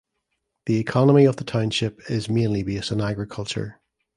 The economy of the township is mainly based on agriculture.